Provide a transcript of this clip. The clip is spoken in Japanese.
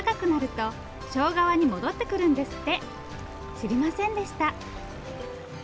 知りませんでした。